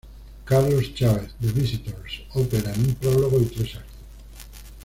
Carlos Chávez: "The visitors", ópera en un prólogo y tres actos